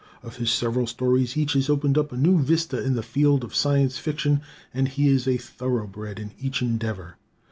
Of his several stories, each has opened up a new vista in the field of Science Fiction, and he is a thoroughbred in each endeavor.